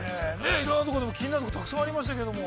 ◆いろいろなところでも気になるとこたくさんありましたけど。